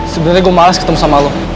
sebenarnya gue males ketemu sama lo